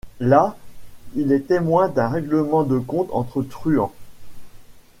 Là, il est témoin d'un règlement de comptes entre truands.